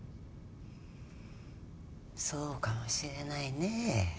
そうかもしれないねえ。